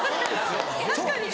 確かに。